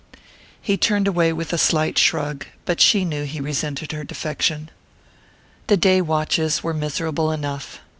He turned away with a slight shrug; but she knew he resented her defection. The day watches were miserable enough.